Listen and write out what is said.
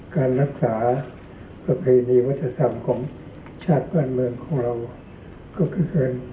การรักษาประเพณีวัฒนธรรมของชาติบ้านเมืองของเราก็คือ